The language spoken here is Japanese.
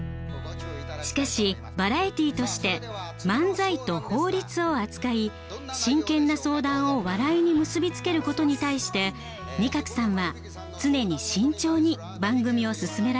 しかしバラエティーとして漫才と法律を扱い真剣な相談を笑いに結び付けることに対して仁鶴さんは常に慎重に番組を進められていました。